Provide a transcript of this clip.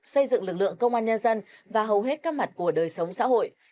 xây dựng lực lượng công an nhân dân và hầu hết các mặt của đời sống xã hội